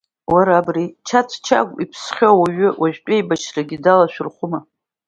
Уара, абри Чаҵә Чагә, иԥсхьо ауаҩы, уажәтәи аибашьрагьы далашәырхәыма?